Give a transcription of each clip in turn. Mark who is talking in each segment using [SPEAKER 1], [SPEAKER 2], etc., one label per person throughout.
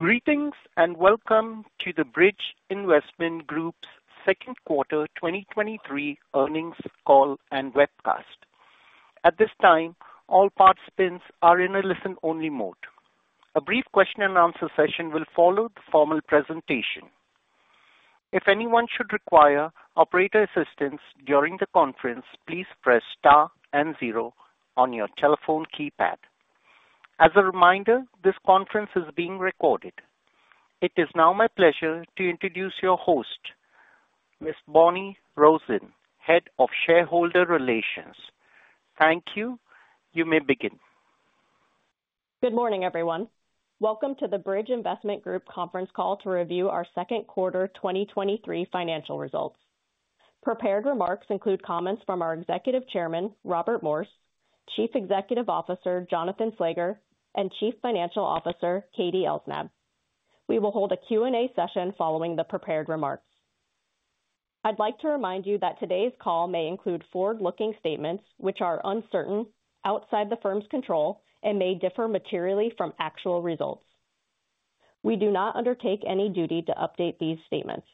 [SPEAKER 1] Greetings, and welcome to the Bridge Investment Group's second quarter 2023 earnings call and webcast. At this time, all participants are in a listen-only mode. A brief question and answer session will follow the formal presentation. If anyone should require operator assistance during the conference, please press * and 0 on your telephone keypad. As a reminder, this conference is being recorded. It is now my pleasure to introduce your host, Ms. Bonni Rosen, Head of Shareholder Relations. Thank you. You may begin.
[SPEAKER 2] Good morning, everyone. Welcome to the Bridge Investment Group conference call to review our second quarter 2023 financial results. Prepared remarks include comments from our Executive Chairman, Robert Morse, Chief Executive Officer, Jonathan Slager, and Chief Financial Officer, Katie Elsnab. We will hold a Q&A session following the prepared remarks. I'd like to remind you that today's call may include forward-looking statements which are uncertain, outside the firm's control, and may differ materially from actual results. We do not undertake any duty to update these statements.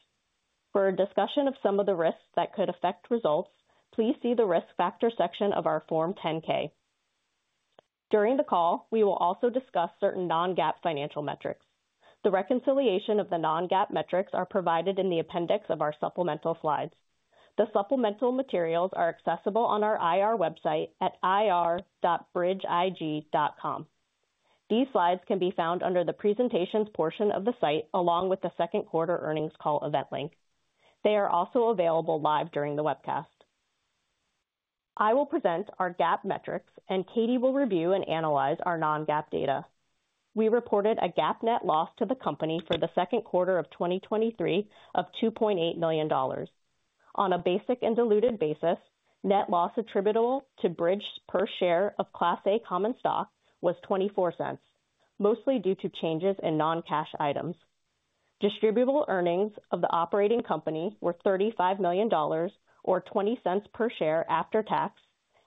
[SPEAKER 2] For a discussion of some of the risks that could affect results, please see the Risk Factors section of our Form 10-K. During the call, we will also discuss certain non-GAAP financial metrics. The reconciliation of the non-GAAP metrics are provided in the appendix of our supplemental slides. The supplemental materials are accessible on our IR website at ir.bridgeig.com. These slides can be found under the Presentations portion of the site, along with the second quarter earnings call event link. They are also available live during the webcast. I will present our GAAP metrics, and Katie will review and analyze our non-GAAP data. We reported a GAAP net loss to the company for the second quarter of 2023 of $2.8 million. On a basic and diluted basis, net loss attributable to Bridge per share of Class A common stock was $0.24, mostly due to changes in non-cash items. Distributable earnings of the operating company were $35 million, or $0.20 per share after tax,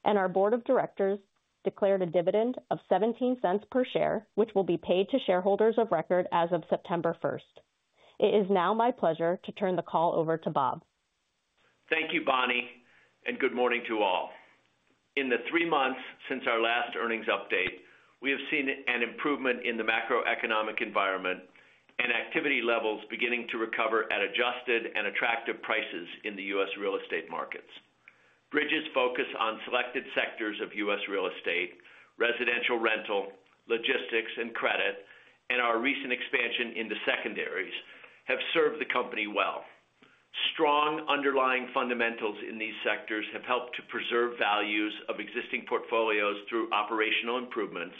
[SPEAKER 2] and our board of directors declared a dividend of $0.17 per share, which will be paid to shareholders of record as of September 1. It is now my pleasure to turn the call over to Bob.
[SPEAKER 3] Thank you, Bonni, and good morning to all. In the three months since our last earnings update, we have seen an improvement in the macroeconomic environment and activity levels beginning to recover at adjusted and attractive prices in the U.S. real estate markets. Bridge's focus on selected sectors of U.S. real estate, residential rental, logistics, and credit, and our recent expansion in the secondaries have served the company well. Strong underlying fundamentals in these sectors have helped to preserve values of existing portfolios through operational improvements,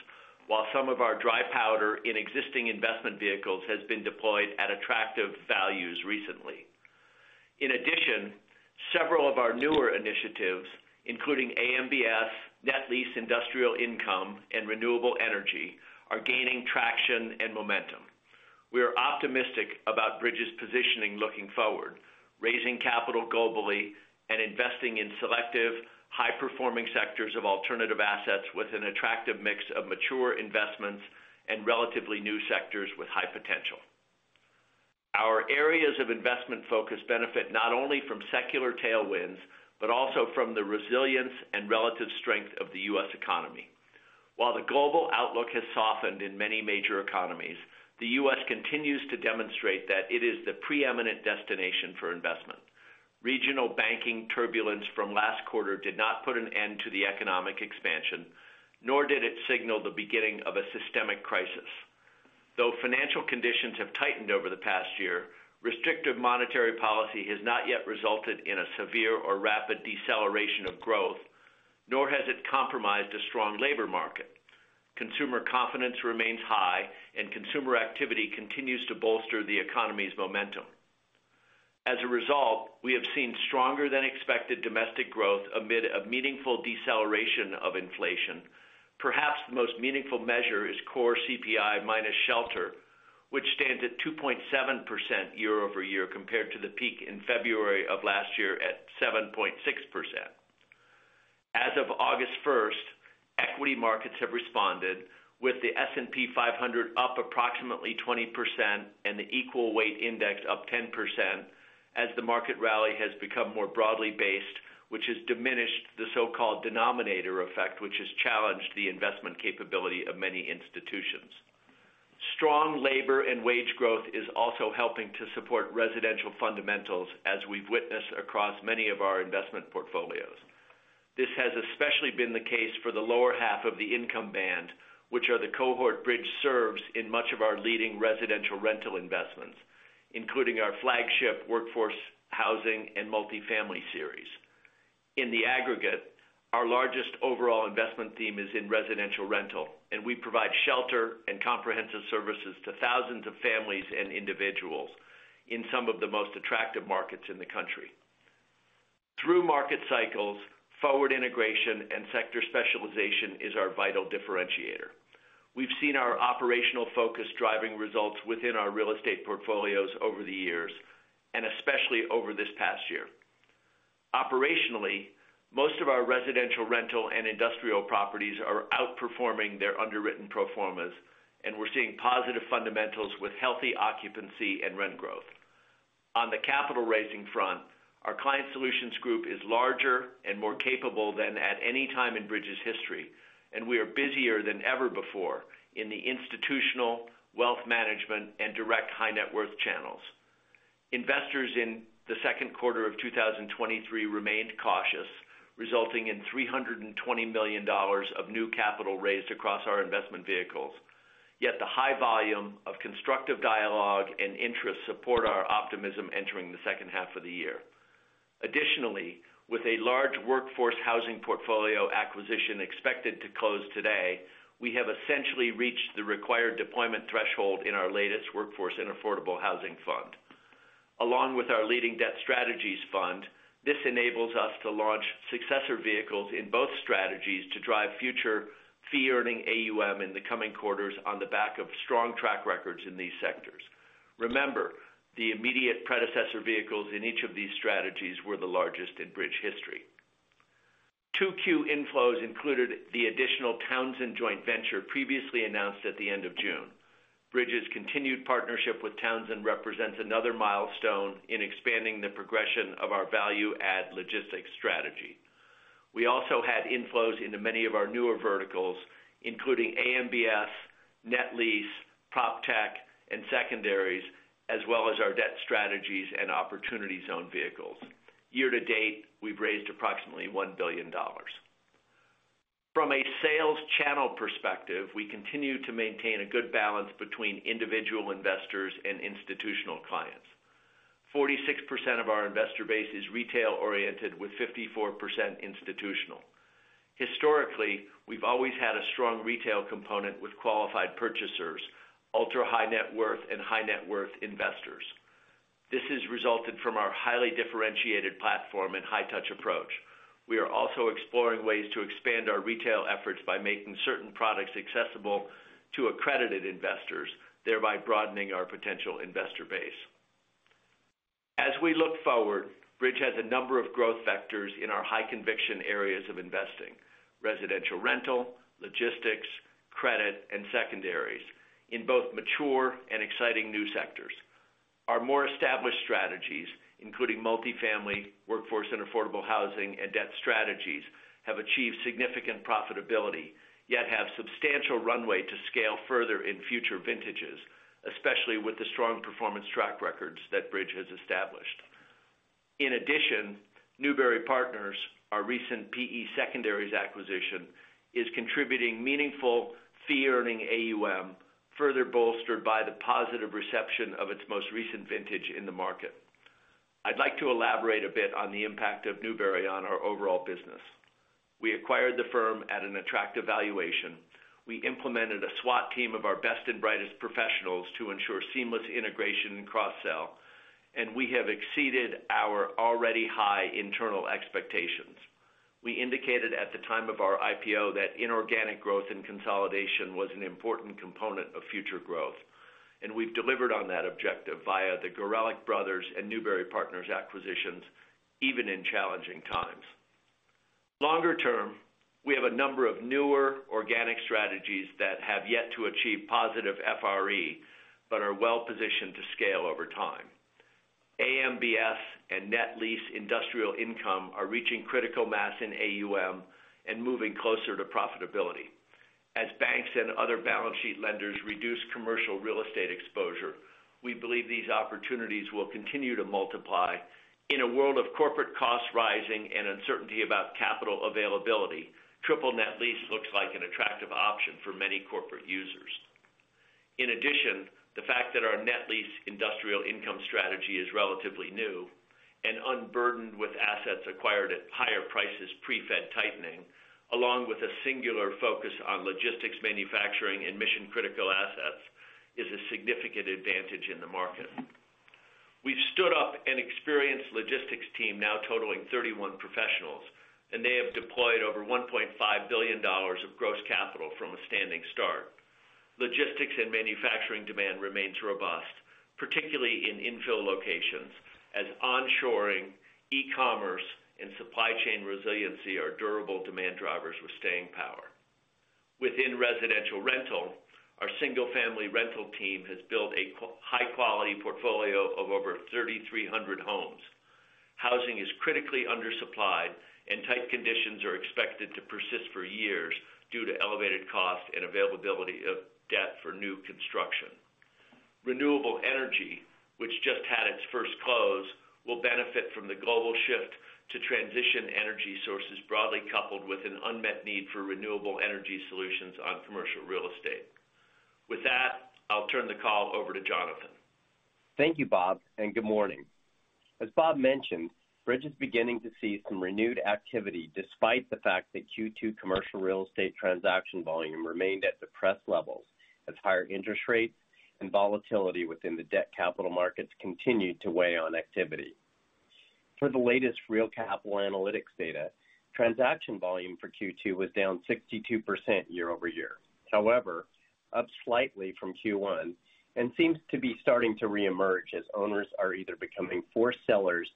[SPEAKER 3] while some of our dry powder in existing investment vehicles has been deployed at attractive values recently. In addition, several of our newer initiatives, including AMBS, Net Lease, Industrial Income, and Renewable Energy, are gaining traction and momentum. We are optimistic about Bridge's positioning looking forward, raising capital globally and investing in selective, high-performing sectors of alternative assets with an attractive mix of mature investments and relatively new sectors with high potential. Our areas of investment focus benefit not only from secular tailwinds, but also from the resilience and relative strength of the U.S. economy. While the global outlook has softened in many major economies, the U.S. continues to demonstrate that it is the preeminent destination for investment. Regional banking turbulence from last quarter did not put an end to the economic expansion, nor did it signal the beginning of a systemic crisis. Though financial conditions have tightened over the past year, restrictive monetary policy has not yet resulted in a severe or rapid deceleration of growth, nor has it compromised a strong labor market. Consumer confidence remains high, and consumer activity continues to bolster the economy's momentum. As a result, we have seen stronger than expected domestic growth amid a meaningful deceleration of inflation. Perhaps the most meaningful measure is core CPI minus shelter, which stands at 2.7% year-over-year, compared to the peak in February of last year at 7.6%. As of August 1st, equity markets have responded, with the S&P 500 up approximately 20% and the equal weight index up 10%, as the market rally has become more broadly based, which has diminished the so-called denominator effect, which has challenged the investment capability of many institutions. Strong labor and wage growth is also helping to support residential fundamentals, as we've witnessed across many of our investment portfolios. This has especially been the case for the lower half of the income band, which are the cohort Bridge serves in much of our leading residential rental investments, including our flagship workforce housing and multifamily series. In the aggregate, our largest overall investment theme is in residential rental, and we provide shelter and comprehensive services to thousands of families and individuals in some of the most attractive markets in the country. Through market cycles, forward integration and sector specialization is our vital differentiator. We've seen our operational focus driving results within our real estate portfolios over the years, and especially over this past year. Operationally, most of our residential, rental, and industrial properties are outperforming their underwritten pro formas, and we're seeing positive fundamentals with healthy occupancy and rent growth. On the capital raising front, our client solutions group is larger and more capable than at any time in Bridge's history, and we are busier than ever before in the institutional, wealth management, and direct high net worth channels. Investors in the second quarter of 2023 remained cautious, resulting in $320 million of new capital raised across our investment vehicles. Yet the high volume of constructive dialogue and interest support our optimism entering the second half of the year. Additionally, with a large workforce housing portfolio acquisition expected to close today, we have essentially reached the required deployment threshold in our latest workforce and affordable housing fund. Along with our leading debt strategies fund, this enables us to launch successor vehicles in both strategies to drive future fee-earning AUM in the coming quarters on the back of strong track records in these sectors. Remember, the immediate predecessor vehicles in each of these strategies were the largest in Bridge history. 2Q inflows included the additional Townsend joint venture previously announced at the end of June. Bridge's continued partnership with Townsend represents another milestone in expanding the progression of our value-add logistics strategy. We also had inflows into many of our newer verticals, including AMBS, Net Lease, PropTech, and secondaries, as well as our debt strategies and Opportunity Zone vehicles. Year to date, we've raised approximately $1 billion. From a sales channel perspective, we continue to maintain a good balance between individual investors and institutional clients. 46% of our investor base is retail-oriented, with 54% institutional. Historically, we've always had a strong retail component with qualified purchasers, ultra-high net worth, and high net worth investors. This has resulted from our highly differentiated platform and high touch approach. We are also exploring ways to expand our retail efforts by making certain products accessible to accredited investors, thereby broadening our potential investor base. As we look forward, Bridge has a number of growth vectors in our high conviction areas of investing, residential rental, logistics, credit, and secondaries, in both mature and exciting new sectors. Our more established strategies, including multifamily, workforce and affordable housing, and debt strategies, have achieved significant profitability, yet have substantial runway to scale further in future vintages, especially with the strong performance track records that Bridge has established. In addition, Newbury Partners, our recent PE secondaries acquisition, is contributing meaningful fee-earning AUM, further bolstered by the positive reception of its most recent vintage in the market. I'd like to elaborate a bit on the impact of Newbury on our overall business. We acquired the firm at an attractive valuation. We implemented a SWAT team of our best and brightest professionals to ensure seamless integration and cross-sell. We have exceeded our already high internal expectations. We indicated at the time of our IPO that inorganic growth and consolidation was an important component of future growth. We've delivered on that objective via the Gorelick Brothers and Newbury Partners acquisitions, even in challenging times. Longer term, we have a number of newer organic strategies that have yet to achieve positive FRE, are well positioned to scale over time. AMBS and net lease industrial income are reaching critical mass in AUM and moving closer to profitability. As banks and other balance sheet lenders reduce commercial real estate exposure, we believe these opportunities will continue to multiply. In a world of corporate costs rising and uncertainty about capital availability, triple net lease looks like an attractive option for many corporate users. In addition, the fact that our Net Lease Industrial Income strategy is relatively new and unburdened with assets acquired at higher prices pre-Fed tightening, along with a singular focus on logistics, manufacturing, and mission-critical assets, is a significant advantage in the market. We've stood up an experienced logistics team, now totaling 31 professionals, and they have deployed over $1.5 billion of gross capital from a standing start. Logistics and manufacturing demand remains robust, particularly in infill locations, as onshoring, e-commerce, and supply chain resiliency are durable demand drivers with staying power. Within residential rental, our single-family rental team has built a high-quality portfolio of over 3,300 homes. Housing is critically undersupplied, and tight conditions are expected to persist for years due to elevated cost and availability of debt for new construction. Renewable energy, which just had its first close, will benefit from the global shift to transition energy sources broadly, coupled with an unmet need for renewable energy solutions on Commercial Real Estate. With that, I'll turn the call over to Jonathan.
[SPEAKER 4] Thank you, Bob, and good morning. As Bob mentioned, Bridge is beginning to see some renewed activity despite the fact that Q2 commercial real estate transaction volume remained at depressed levels, as higher interest rates and volatility within the debt capital markets continued to weigh on activity. For the latest Real Capital Analytics data-... Transaction volume for Q2 was down 62% year-over-year. However, up slightly from Q1, and seems to be starting to reemerge as owners are either becoming forced sellers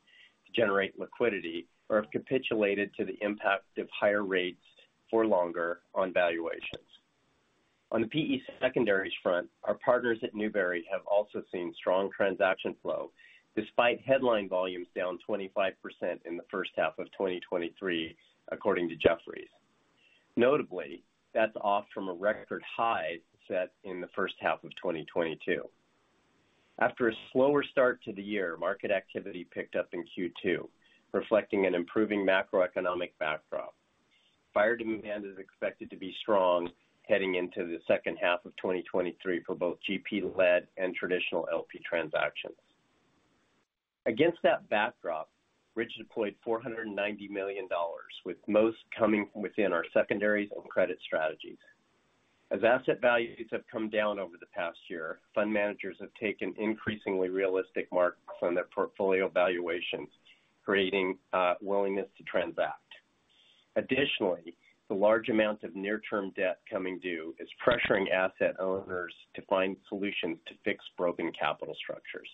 [SPEAKER 4] to generate liquidity or have capitulated to the impact of higher rates for longer on valuations. On the PE secondaries front, our partners at Newbury have also seen strong transaction flow, despite headline volumes down 25% in the first half of 2023, according to Jefferies. Notably, that's off from a record high set in the first half of 2022. After a slower start to the year, market activity picked up in Q2, reflecting an improving macroeconomic backdrop. Buyer demand is expected to be strong heading into the second half of 2023 for both GP-led and traditional LP transactions. Against that backdrop, Bridge deployed $490 million, with most coming within our secondaries and credit strategies. As asset values have come down over the past year, fund managers have taken increasingly realistic marks on their portfolio valuations, creating willingness to transact. Additionally, the large amount of near-term debt coming due is pressuring asset owners to find solutions to fix broken capital structures.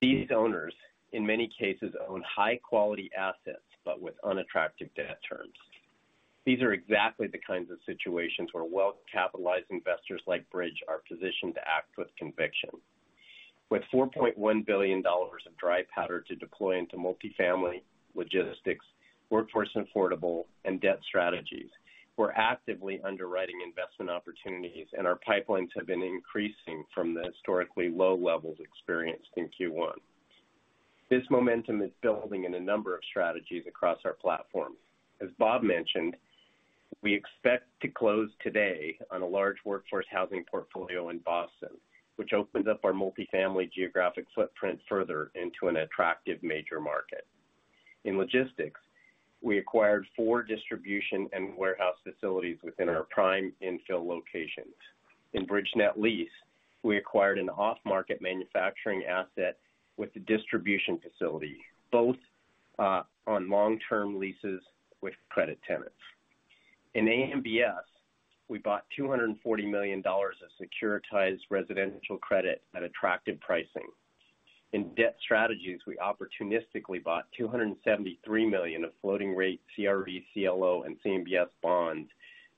[SPEAKER 4] These owners, in many cases, own high-quality assets, but with unattractive debt terms. These are exactly the kinds of situations where well-capitalized investors like Bridge are positioned to act with conviction. With $4.1 billion of dry powder to deploy into multifamily, logistics, workforce and affordable, and debt strategies, we're actively underwriting investment opportunities, our pipelines have been increasing from the historically low levels experienced in Q1. This momentum is building in a number of strategies across our platform. As Bob mentioned, we expect to close today on a large workforce housing portfolio in Boston, which opens up our multifamily geographic footprint further into an attractive major market. In logistics, we acquired four distribution and warehouse facilities within our prime infill locations. In Bridge Net Lease, we acquired an off-market manufacturing asset with a distribution facility, both on long-term leases with credit tenants. In AMBS, we bought $240 million of securitized residential credit at attractive pricing. In debt strategies, we opportunistically bought $273 million of floating-rate CRE, CLO, and CMBS bonds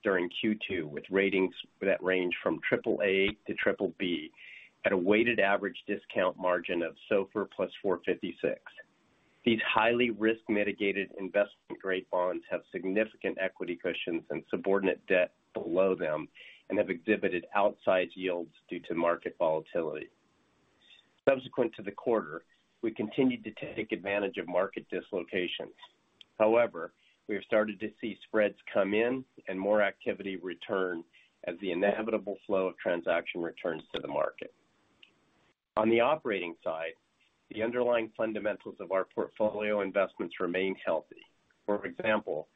[SPEAKER 4] during Q2, with ratings that range from triple A to triple B at a weighted average discount margin of SOFR + 456. These highly risk-mitigated investment-grade bonds have significant equity cushions and subordinate debt below them and have exhibited outsized yields due to market volatility. Subsequent to the quarter, we continued to take advantage of market dislocations. However, we have started to see spreads come in and more activity return as the inevitable flow of transaction returns to the market. On the operating side, the underlying fundamentals of our portfolio investments remain healthy. For example,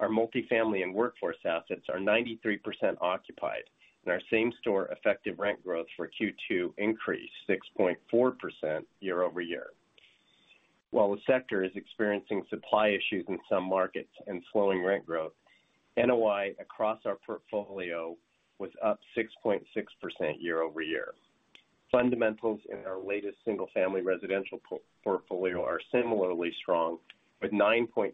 [SPEAKER 4] our multifamily and workforce assets are 93% occupied, and our same-store effective rent growth for Q2 increased 6.4% year-over-year. While the sector is experiencing supply issues in some markets and slowing rent growth, NOI across our portfolio was up 6.6% year-over-year. Fundamentals in our latest single-family residential portfolio are similarly strong, with 9.9%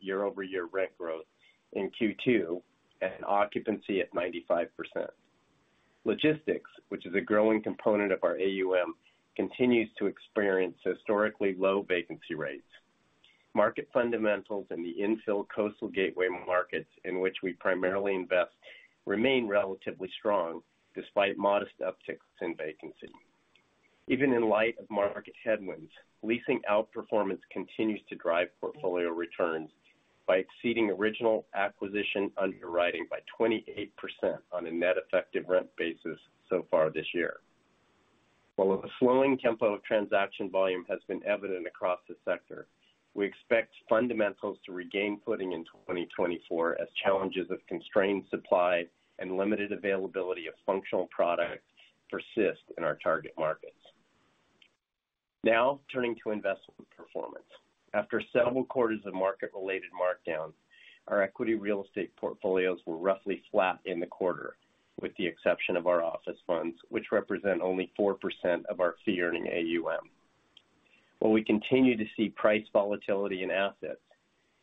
[SPEAKER 4] year-over-year rent growth in Q2 and occupancy at 95%. Logistics, which is a growing component of our AUM, continues to experience historically low vacancy rates. Market fundamentals in the infill coastal gateway markets in which we primarily invest remain relatively strong, despite modest upticks in vacancy. Even in light of market headwinds, leasing outperformance continues to drive portfolio returns by exceeding original acquisition underwriting by 28% on a net effective rent basis so far this year. While a slowing tempo of transaction volume has been evident across the sector, we expect fundamentals to regain footing in 2024 as challenges of constrained supply and limited availability of functional products persist in our target markets. Now, turning to investment performance. After several quarters of market-related markdowns, our equity real estate portfolios were roughly flat in the quarter, with the exception of our office funds, which represent only 4% of our fee-earning AUM. While we continue to see price volatility in assets,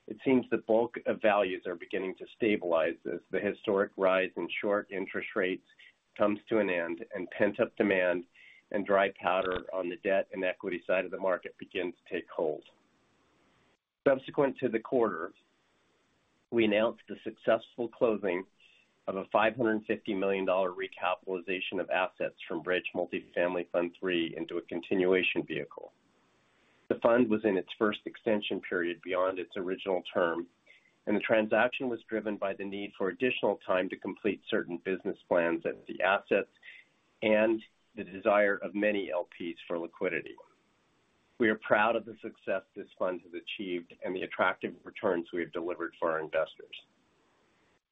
[SPEAKER 4] it seems the bulk of values are beginning to stabilize as the historic rise in short interest rates comes to an end, and pent-up demand and dry powder on the debt and equity side of the market begins to take hold. Subsequent to the quarter, we announced the successful closing of a $550 million recapitalization of assets from Bridge Multifamily Fund III into a continuation vehicle. The fund was in its first extension period beyond its original term. The transaction was driven by the need for additional time to complete certain business plans at the assets and the desire of many LPs for liquidity. We are proud of the success this fund has achieved and the attractive returns we have delivered for our investors.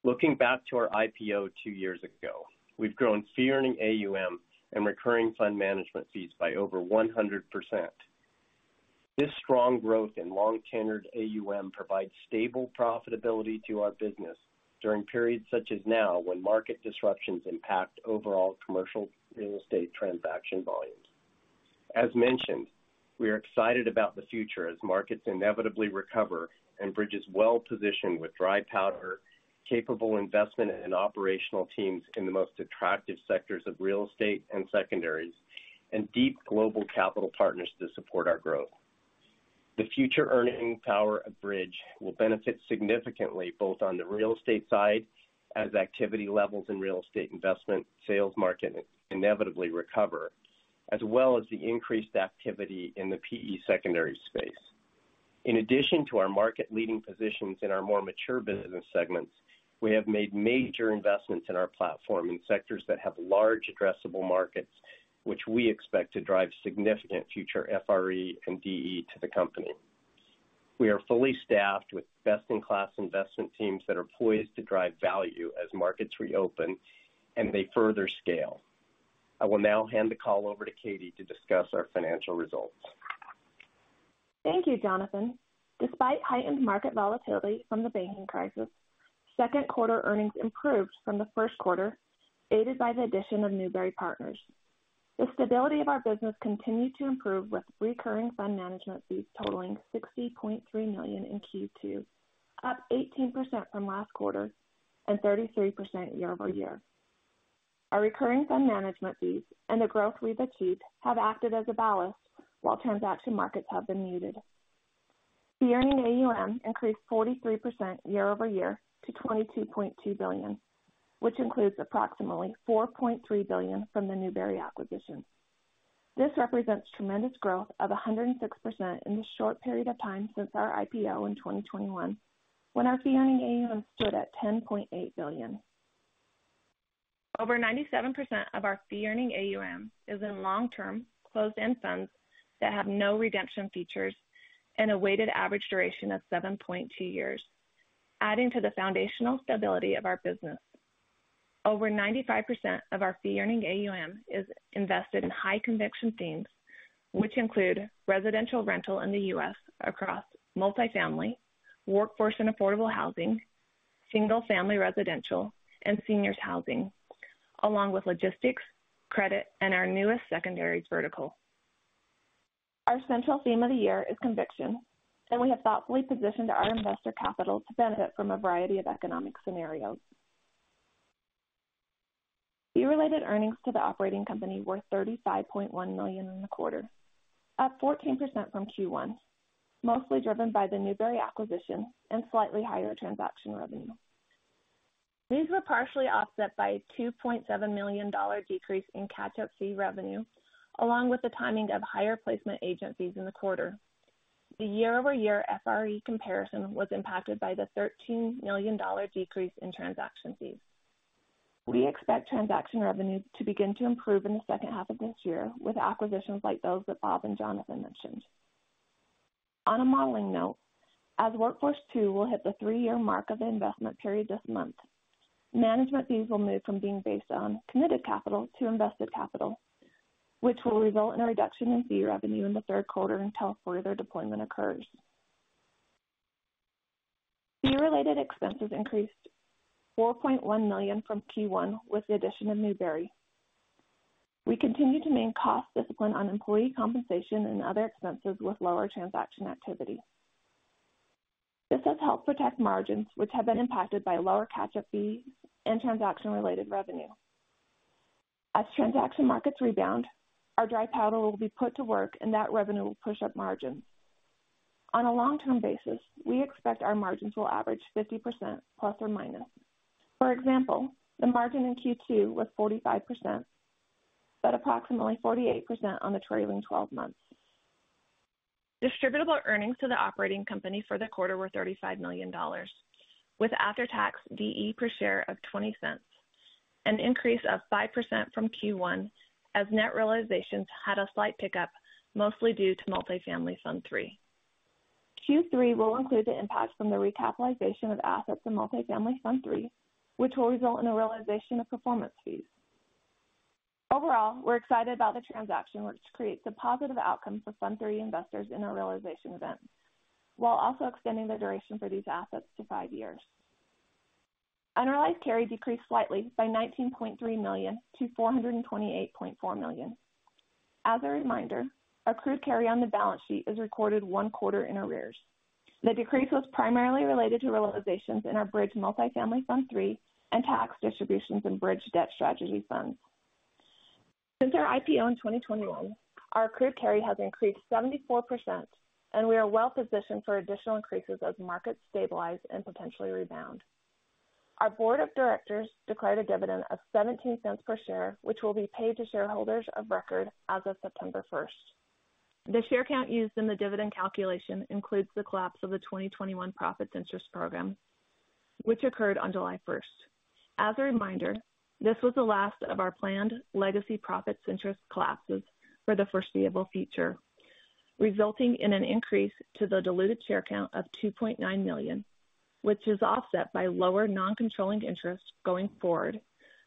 [SPEAKER 4] Looking back to our IPO 2 years ago, we've grown fee-earning AUM and recurring fund management fees by over 100%. This strong growth in long-tenured AUM provides stable profitability to our business during periods such as now, when market disruptions impact overall commercial real estate transaction volumes. As mentioned, we are excited about the future as markets inevitably recover and Bridge is well-positioned with dry powder, capable investment and operational teams in the most attractive sectors of real estate and secondaries, and deep global capital partners to support our growth. The future earning power of Bridge will benefit significantly both on the real estate side, as activity levels in real estate investment sales market inevitably recover, as well as the increased activity in the PE secondaries space. In addition to our market-leading positions in our more mature business segments, we have made major investments in our platform in sectors that have large addressable markets, which we expect to drive significant future FRE and DE to the company. We are fully staffed with best-in-class investment teams that are poised to drive value as markets reopen and they further scale. I will now hand the call over to Katherine to discuss our financial results.
[SPEAKER 5] Thank you, Jonathan. Despite heightened market volatility from the banking crisis, second quarter earnings improved from the first quarter, aided by the addition of Newbury Partners. The stability of our business continued to improve, with recurring fund management fees totaling $60.3 million in Q2, up 18% from last quarter and 33% year-over-year. Our recurring fund management fees and the growth we've achieved have acted as a ballast while transaction markets have been muted. Fee-earning AUM increased 43% year-over-year to $22.2 billion, which includes approximately $4.3 billion from the Newbury acquisition. This represents tremendous growth of 106% in this short period of time since our IPO in 2021, when our fee-earning AUM stood at $10.8 billion. Over 97% of our fee-earning AUM is in long-term closed-end funds that have no redemption features and a weighted average duration of 7.2 years, adding to the foundational stability of our business. Over 95% of our fee-earning AUM is invested in high conviction themes, which include residential rental in the US across multifamily, workforce and affordable housing, single-family residential, and seniors housing, along with logistics, credit, and our newest secondary vertical. Our central theme of the year is Conviction, and we have thoughtfully positioned our investor capital to benefit from a variety of economic scenarios. Fee-related earnings to the operating company were $35.1 million in the quarter, up 14% from Q1, mostly driven by the Newbury acquisition and slightly higher transaction revenue. These were partially offset by a $2.7 million decrease in catch-up fee revenue, along with the timing of higher placement agent fees in the quarter. The year-over-year FRE comparison was impacted by the $13 million decrease in transaction fees. We expect transaction revenue to begin to improve in the second half of this year with acquisitions like those that Robert Morse and Jonathan Slager mentioned. On a modeling note, as Workforce Two will hit the 3-year mark of the investment period this month, management fees will move from being based on committed capital to invested capital, which will result in a reduction in fee revenue in the third quarter until further deployment occurs. Fee-related expenses increased $4.1 million from Q1 with the addition of Newbury Partners. We continue to maintain cost discipline on employee compensation and other expenses with lower transaction activity. This has helped protect margins, which have been impacted by lower catch-up fees and transaction-related revenue. As transaction markets rebound, our dry powder will be put to work and that revenue will push up margins. On a long-term basis, we expect our margins will average 50% ±. For example, the margin in Q2 was 45%, but approximately 48% on the trailing 12 months. Distributable earnings to the operating company for the quarter were $35 million, with after-tax DE per share of $0.20, an increase of 5% from Q1, as net realizations had a slight pickup, mostly due to Multifamily Fund III. Q3 will include the impact from the recapitalization of assets in Multifamily Fund III, which will result in a realization of performance fees. Overall, we're excited about the transaction, which creates a positive outcome for Fund III investors in our realization event, while also extending the duration for these assets to five years. Unrealized carry decreased slightly by $19.3 million to $428.4 million. As a reminder, accrued carry on the balance sheet is recorded one quarter in arrears. The decrease was primarily related to realizations in our Bridge Multifamily Fund III and tax distributions in Bridge Debt Strategies Funds. Since our IPO in 2021, our accrued carry has increased 74%, and we are well positioned for additional increases as markets stabilize and potentially rebound. Our board of directors declared a dividend of $0.17 per share, which will be paid to shareholders of record as of September 1st. The share count used in the dividend calculation includes the collapse of the 2021 profits interest program, which occurred on July first. As a reminder, this was the last of our planned legacy profits interest classes for the foreseeable future, resulting in an increase to the diluted share count of $2.9 million, which is offset by lower non-controlling interest going forward,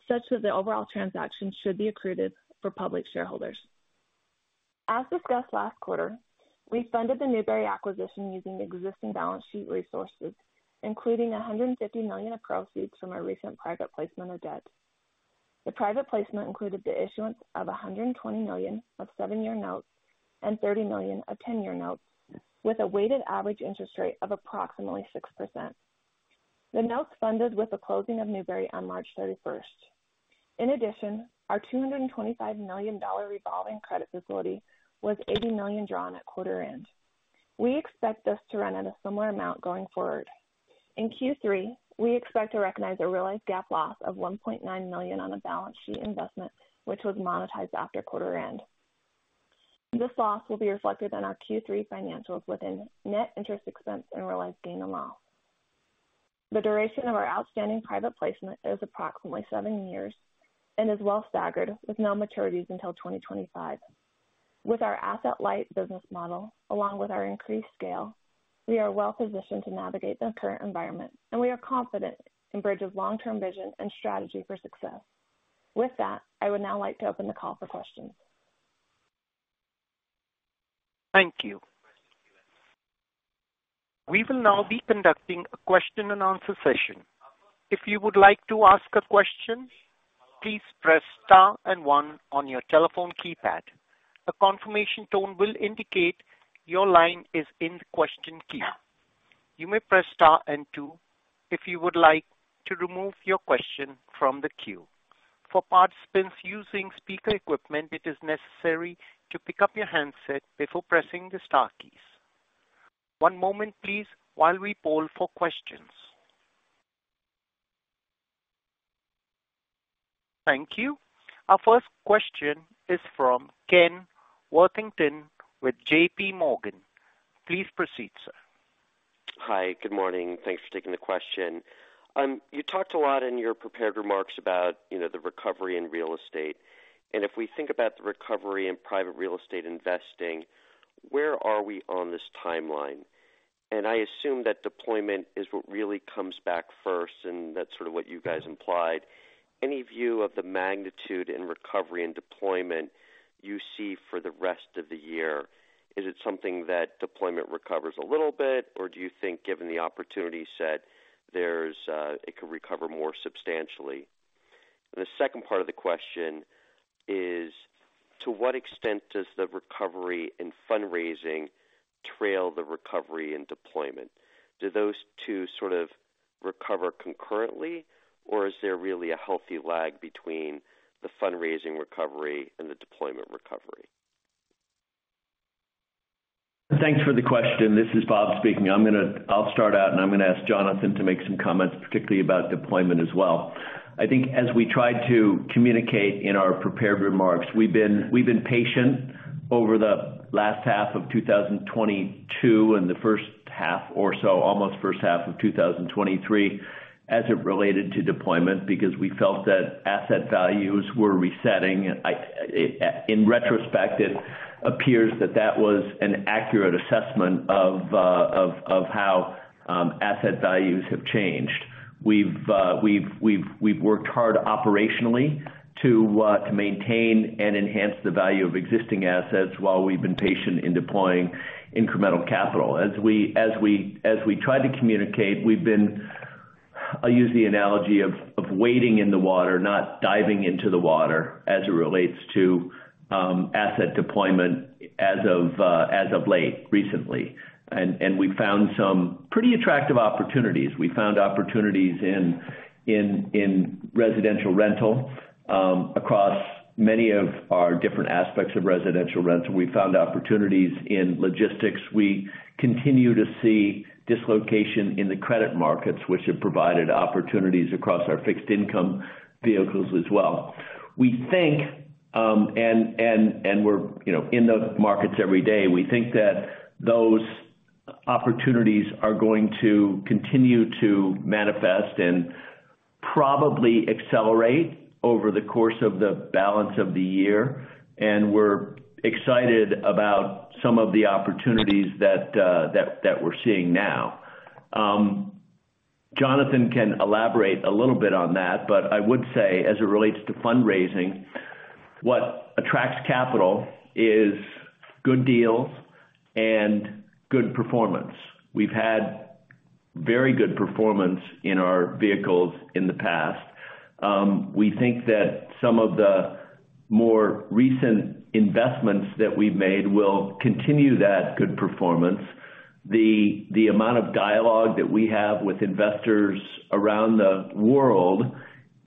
[SPEAKER 5] such that the overall transaction should be accretive for public shareholders. As discussed last quarter, we funded the Newbury acquisition using existing balance sheet resources, including $150 million of proceeds from our recent private placement of debt. The private placement included the issuance of $120 million of 7-year notes and $30 million of 10-year notes, with a weighted average interest rate of approximately 6%. The notes funded with the closing of Newbury on March 31st. Our $225 million revolving credit facility was $80 million drawn at quarter end. We expect this to run at a similar amount going forward. In Q3, we expect to recognize a realized GAAP loss of $1.9 million on a balance sheet investment, which was monetized after quarter end. This loss will be reflected in our Q3 financials within net interest expense and realized gain and loss. The duration of our outstanding private placement is approximately seven years and is well staggered, with no maturities until 2025. With our asset-light business model, along with our increased scale, we are well positioned to navigate the current environment, and we are confident in Bridge's long-term vision and strategy for success. I would now like to open the call for questions.
[SPEAKER 1] Thank you. We will now be conducting a question-and-answer session. If you would like to ask a question, please press star and one on your telephone keypad. A confirmation tone will indicate your line is in the question queue. You may press star and two if you would like to remove your question from the queue. For participants using speaker equipment, it is necessary to pick up your handset before pressing the star keys. One moment please, while we poll for questions. Thank you. Our first question is from Ken Worthington with J.P. Morgan. Please proceed, sir.
[SPEAKER 6] Hi, good morning. Thanks for taking the question. You talked a lot in your prepared remarks about, you know, the recovery in real estate, and if we think about the recovery in private real estate investing, where are we on this timeline? I assume that deployment is what really comes back first, and that's sort of what you guys implied. Any view of the magnitude in recovery and deployment you see for the rest of the year? Is it something that deployment recovers a little bit, or do you think, given the opportunity set, there's, it could recover more substantially? The second part of the question is: to what extent does the recovery in fundraising trail the recovery in deployment? Do those two sort of recover concurrently, or is there really a healthy lag between the fundraising recovery and the deployment recovery?
[SPEAKER 3] Thanks for the question. This is Robert speaking. I'll start out. I'm going to ask Jonathan to make some comments, particularly about deployment as well. I think as we tried to communicate in our prepared remarks, we've been patient over the last half of 2022 and the first half or so, almost first half of 2023, as it related to deployment, because we felt that asset values were resetting. I, in retrospect, it appears that that was an accurate assessment of how asset values have changed. We've worked hard operationally to maintain and enhance the value of existing assets while we've been patient in deploying incremental capital. As we tried to communicate, we've been... I'll use the analogy of, of wading in the water, not diving into the water as it relates to asset deployment as of late, recently. And we've found some pretty attractive opportunities. We found opportunities in, in, in residential rental, across many of our different aspects of residential rental. We found opportunities in logistics. We continue to see dislocation in the credit markets, which have provided opportunities across our fixed income vehicles as well. We think, and, and, and we're, you know, in those markets every day, we think that those opportunities are going to continue to manifest and probably accelerate over the course of the balance of the year. We're excited about some of the opportunities that, that, that we're seeing now. Jonathan can elaborate a little bit on that, but I would say, as it relates to fundraising, what attracts capital is good deals and good performance. We've had very good performance in our vehicles in the past. We think that some of the more recent investments that we've made will continue that good performance. The, the amount of dialogue that we have with investors around the world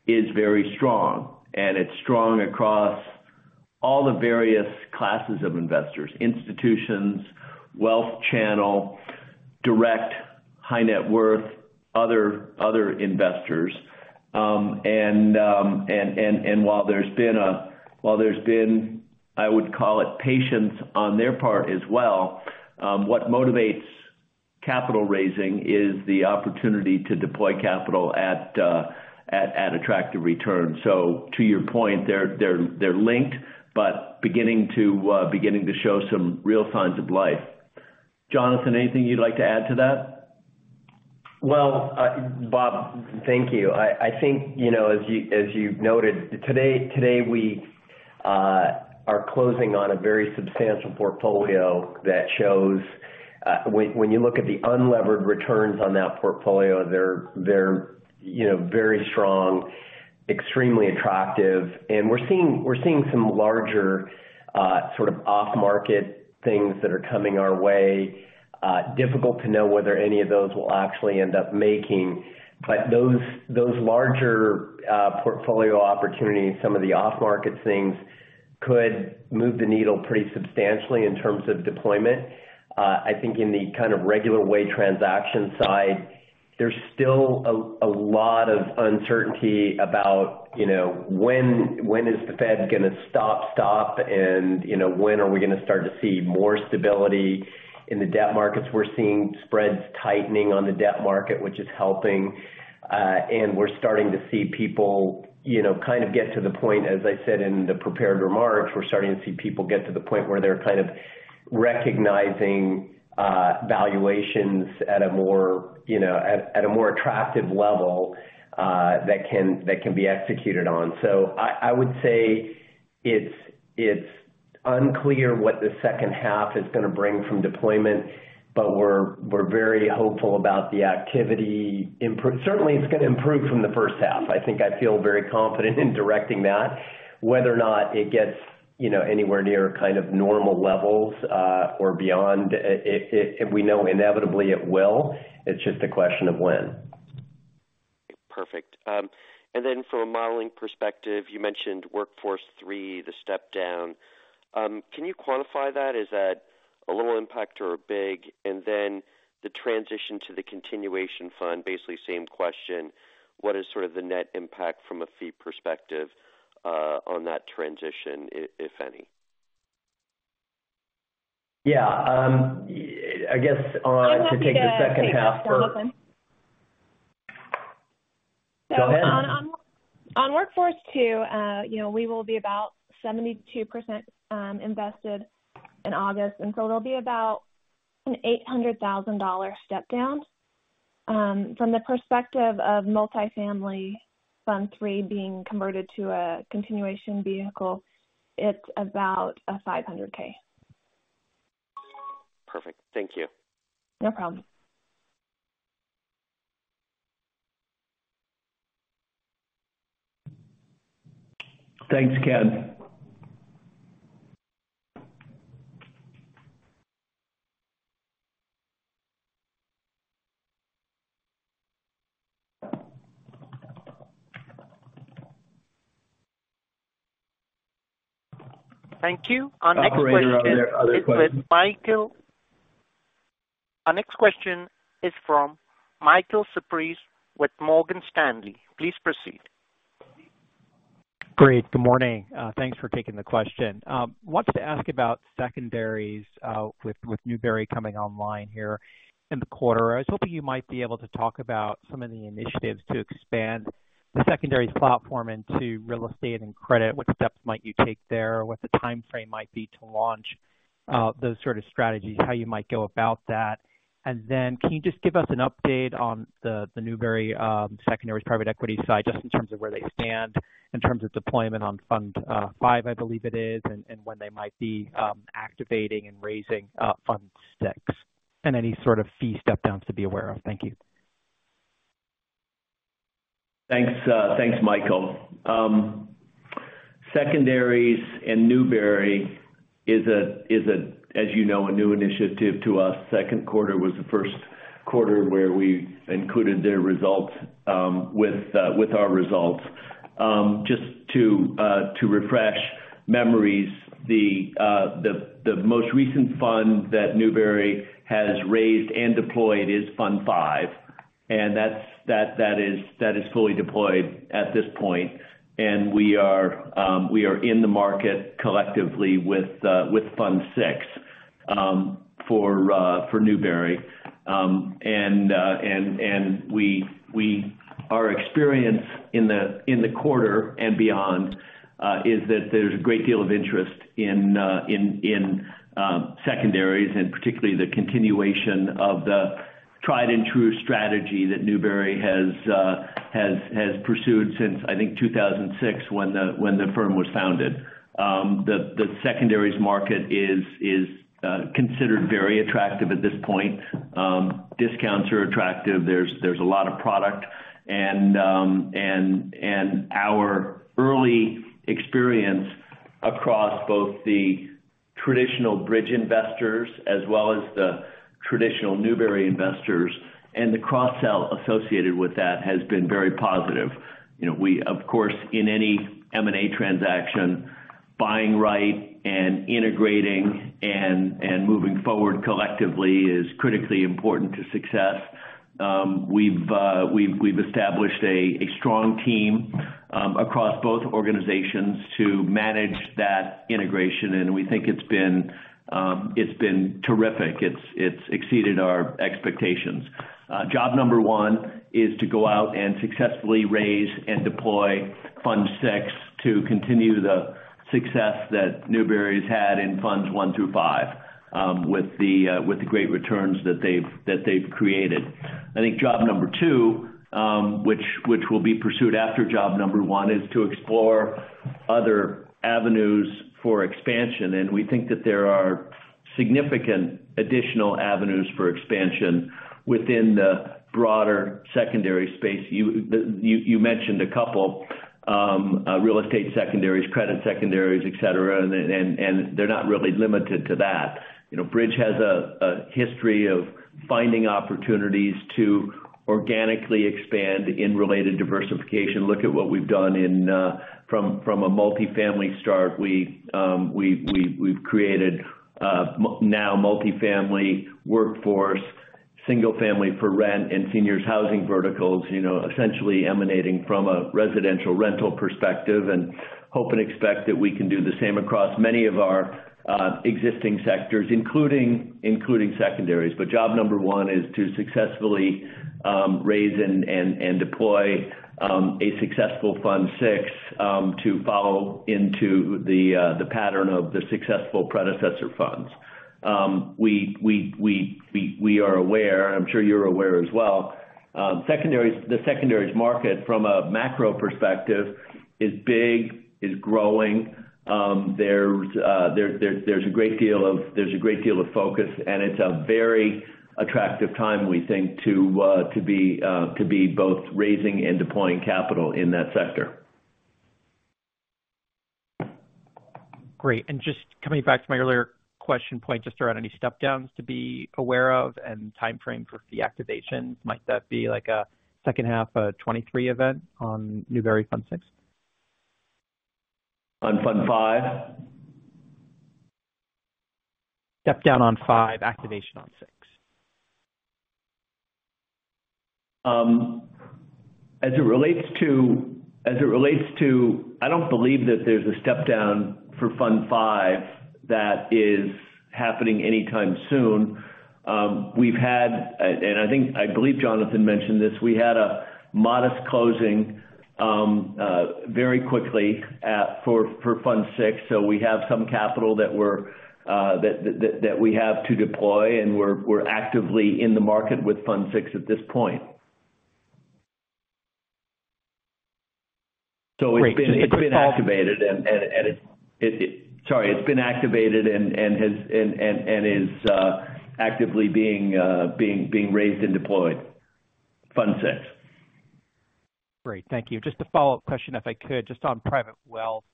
[SPEAKER 3] is very strong, and it's strong across all the various classes of investors, institutions, wealth channel, direct, high net worth, other, other investors. While there's been while there's been, I would call it, patience on their part as well, what motivates capital raising is the opportunity to deploy capital at, at, at attractive returns. To your point, they're, they're, they're linked, but beginning to, beginning to show some real signs of life. Jonathan, anything you'd like to add to that?
[SPEAKER 4] Well, Robert, thank you. I think, you know, as you, as you've noted, today, we are closing on a very substantial portfolio that shows, when, when you look at the unlevered returns on that portfolio, they're, you know, very strong, extremely attractive. We're seeing some larger, sort of off-market things that are coming our way. Difficult to know whether any of those will actually end up making. Those larger, portfolio opportunities, some of the off-market things, could move the needle pretty substantially in terms of deployment. I think in the kind of regular way transaction side, there's still a lot of uncertainty about, you know, when is the Fed gonna stop, and, you know, when are we gonna start to see more stability in the debt markets? We're seeing spreads tightening on the debt market, which is helping. We're starting to see people, you know, kind of get to the point, as I said in the prepared remarks, we're starting to see people get to the point where they're kind of recognizing, valuations at a more, you know, at, at a more attractive level, that can, that can be executed on. I, I would say it's, it's unclear what the second half is gonna bring from deployment, but we're, we're very hopeful about the activity certainly, it's gonna improve from the first half. I think I feel very confident in directing that. Whether or not it gets, you know, anywhere near kind of normal levels, or beyond, it- we know inevitably it will. It's just a question of when.
[SPEAKER 6] Perfect. From a modeling perspective, you mentioned Workforce III, the step down. Can you quantify that? Is that a low impact or a big? Then the transition to the continuation fund, basically same question: What is sort of the net impact from a fee perspective, on that transition, if any?
[SPEAKER 4] Yeah, I guess to take the second half first.
[SPEAKER 5] Jonathan.
[SPEAKER 4] Go ahead.
[SPEAKER 5] On, on Workforce II, you know, we will be about 72% invested in August, and so it'll be about an $800,000 step down. From the perspective of Multifamily Fund III being converted to a continuation vehicle, it's about a $500K.
[SPEAKER 6] Perfect. Thank you.
[SPEAKER 5] No problem.
[SPEAKER 3] Thanks, Ken.
[SPEAKER 1] Thank you.
[SPEAKER 3] Operator, are there other questions?
[SPEAKER 1] Our next question is from Michael Cyprys with Morgan Stanley. Please proceed.
[SPEAKER 7] Great. Good morning. Thanks for taking the question. Wanted to ask about secondaries, with Newbury coming online here in the quarter. I was hoping you might be able to talk about some of the initiatives to expand the secondaries platform into real estate and credit. What steps might you take there? What the timeframe might be to launch those sort of strategies? How you might go about that? Can you just give us an update on the, the Newbury secondaries private equity side, just in terms of where they stand, in terms of deployment on Fund V, I believe it is, and when they might be activating and raising Fund VI, and any sort of fee step downs to be aware of. Thank you.
[SPEAKER 3] Thanks, thanks, Michael. Secondaries and Newbury is, as you know, a new initiative to us. Second quarter was the first quarter where we included their results with our results. Just to refresh memories, the most recent fund that Newbury has raised and deployed is Fund V, and that's, that is fully deployed at this point. We are in the market collectively with Fund VI for Newbury. Our experience in the quarter and beyond is that there's a great deal of interest in secondaries, and particularly the continuation of the tried-and-true strategy that Newbury has pursued since, I think, 2006, when the firm was founded. The secondaries market is considered very attractive at this point. Discounts are attractive. There's a lot of product. Our early experience across both the traditional Bridge investors as well as the traditional Newbury investors and the cross-sell associated with that, has been very positive. You know, we, of course, in any M&A transaction, buying right and integrating and moving forward collectively is critically important to success. We've, we've established a strong team across both organizations to manage that integration, and we think it's been terrific. It's, it's exceeded our expectations. Job number one is to go out and successfully raise and deploy Fund VI to continue the success that Newbury has had in Funds I through V with the great returns that they've, that they've created. I think job number two, which, which will be pursued after job number one, is to explore other avenues for expansion. We think that there are significant additional avenues for expansion within the broader secondary space. You, the, you, you mentioned a couple, real estate secondaries, credit secondaries, et cetera, and then, and, and they're not really limited to that. You know, Bridge has a, a history of finding opportunities to organically expand in related diversification. Look at what we've done in from, from a multifamily start, we've, we've, we've created now multifamily workforce, single family for rent, and seniors housing verticals, you know, essentially emanating from a residential rental perspective, and hope and expect that we can do the same across many of our existing sectors, including, including secondaries. Job number one is to successfully raise and, and, and deploy a successful Fund VI to follow into the pattern of the successful predecessor funds. We, we, we, we, we are aware, I'm sure you're aware as well, the secondaries market from a macro perspective is big, is growing. There's a great deal of focus, and it's a very attractive time, we think, to be both raising and deploying capital in that sector.
[SPEAKER 7] Great. Just coming back to my earlier question point, just around any step downs to be aware of and timeframe for fee activation, might that be like a second half of 2023 event on Newbury Fund VI?
[SPEAKER 3] On Fund V?
[SPEAKER 7] Step down on V, activation on VI.
[SPEAKER 3] As it relates to, as it relates to, I don't believe that there's a step down for Fund V that is happening anytime soon. We've had, and I think, I believe Jonathan mentioned this, we had a modest closing, very quickly, for Fund VI. We have some capital that we're that we have to deploy, and we're actively in the market with Fund VI at this point.
[SPEAKER 7] Great.
[SPEAKER 3] Sorry, it's been activated and has and is actively being raised and deployed. Fund VI.
[SPEAKER 7] Great, thank you. Just a follow-up question, if I could, just on private wealth.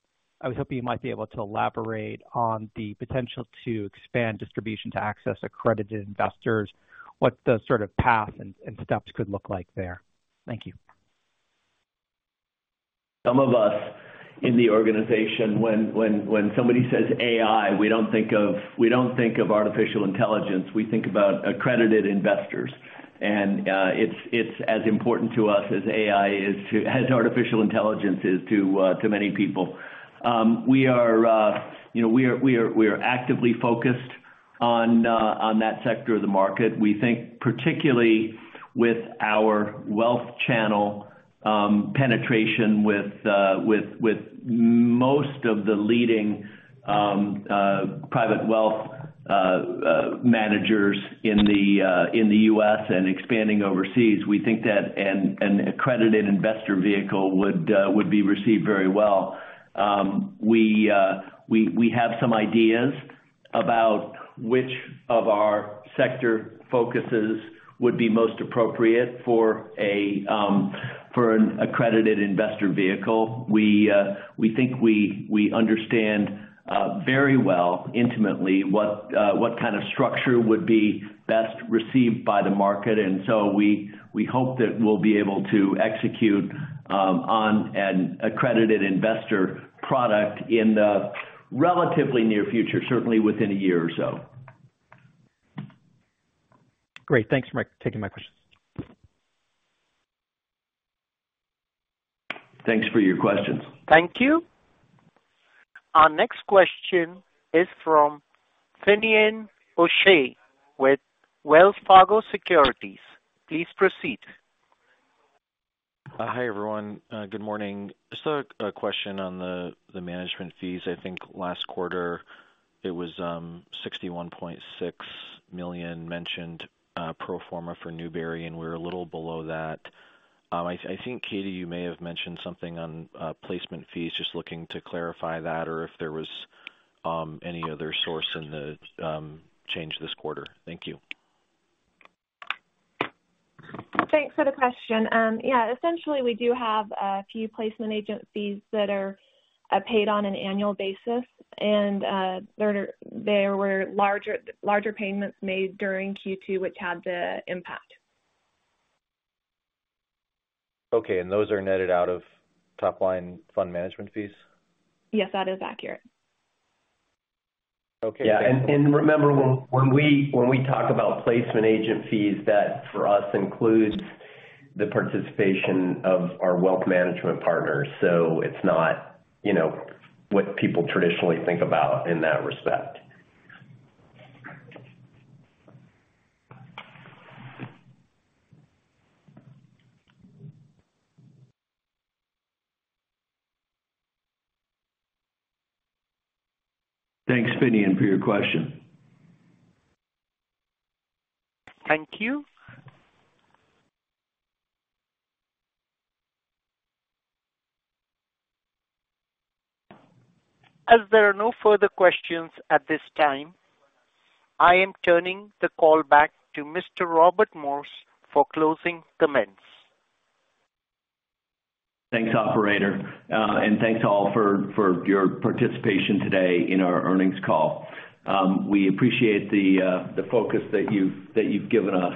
[SPEAKER 7] I was hoping you might be able to elaborate on the potential to expand distribution to access accredited investors. What the sort of path and, and steps could look like there? Thank you.
[SPEAKER 3] Some of us in the organization, when somebody says AI, we don't think of, we don't think of artificial intelligence, we think about accredited investors. it's as important to us as AI is to as artificial intelligence is to many people. we are, you know, we are, we are, we are actively focused on that sector of the market. We think, particularly with our wealth channel, penetration with most of the leading private wealth managers in the US and expanding overseas, we think that an accredited investor vehicle would be received very well. we, we have some ideas about which of our sector focuses would be most appropriate for an accredited investor vehicle. We, we think we, we understand, very well, intimately, what, what kind of structure would be best received by the market. We, we hope that we'll be able to execute, on an accredited investor product in the relatively near future, certainly within a year or so.
[SPEAKER 7] Great. Thanks for taking my questions.
[SPEAKER 3] Thanks for your questions.
[SPEAKER 1] Thank you. Our next question is from Finian O'Shea with Wells Fargo Securities. Please proceed.
[SPEAKER 8] Hi, everyone, good morning. Just a question on the management fees. I think last quarter it was $61.6 million mentioned pro forma for Newbury, and we're a little below that. I think, Katie, you may have mentioned something on placement fees. Just looking to clarify that or if there was any other source in the change this quarter. Thank you.
[SPEAKER 5] Thanks for the question. Yeah, essentially, we do have a few placement agent fees that are paid on an annual basis, and, there were larger, larger payments made during Q2, which had the impact.
[SPEAKER 8] Okay, those are netted out of top-line fund management fees?
[SPEAKER 7] Yes, that is accurate.
[SPEAKER 8] Okay.
[SPEAKER 3] Yeah, remember, when, when we, when we talk about placement agent fees, that for us includes the participation of our wealth management partners. It's not, you know, what people traditionally think about in that respect.
[SPEAKER 7] Thanks, Finian, for your question.
[SPEAKER 1] Thank you. As there are no further questions at this time, I am turning the call back to Mr. Robert Morse for closing comments.
[SPEAKER 3] Thanks, operator. Thanks to all for, for your participation today in our earnings call. We appreciate the, the focus that you've, that you've given us.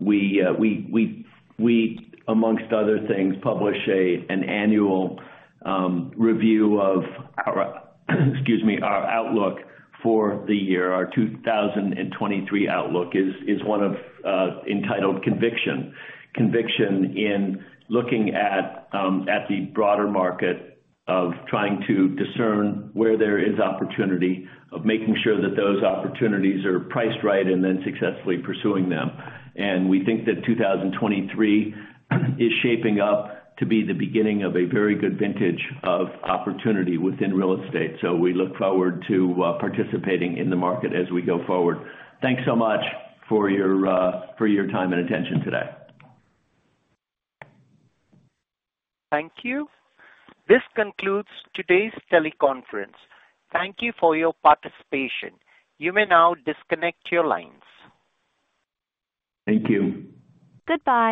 [SPEAKER 3] We, we, we, amongst other things, publish a, an annual review of our, excuse me, our outlook for the year. Our 2023 outlook is, is one of, entitled Conviction. Conviction in looking at, at the broader market of trying to discern where there is opportunity, of making sure that those opportunities are priced right and then successfully pursuing them. We think that 2023 is shaping up to be the beginning of a very good vintage of opportunity within real estate. We look forward to, participating in the market as we go forward. Thanks so much for your, for your time and attention today.
[SPEAKER 1] Thank you. This concludes today's teleconference. Thank you for your participation. You may now disconnect your lines.
[SPEAKER 3] Thank you.
[SPEAKER 7] Goodbye.